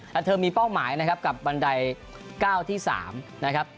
แต่เธอมีเป้าหมายนะครับกับบันได๙ที่๓นะครับ